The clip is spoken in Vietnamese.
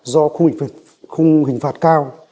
do khung hình phạt cao